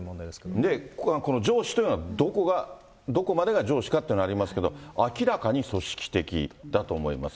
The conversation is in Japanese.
ねえ、この上司というのはどこまでが上司かってのありますけど、明らかに組織的だと思います。